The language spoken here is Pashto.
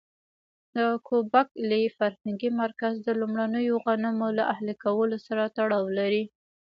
د ګوبک لي فرهنګي مرکز د لومړنیو غنمو له اهلي کولو سره تړاو لري.